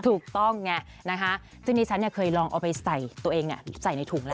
ถูกต้องไงนะคะซึ่งดิฉันเคยลองเอาไปใส่ตัวเองใส่ในถุงแล้ว